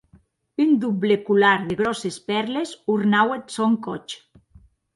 Un doble colar de gròsses pèrles ornaue eth sòn còth.